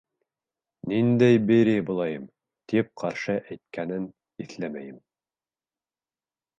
Ниндәй Берия булайым, тип ҡаршы әйткәнен иҫләмәйем.